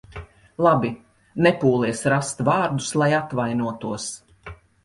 Labi, nepūlies rast vārdus, lai atvainotos.